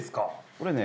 これはね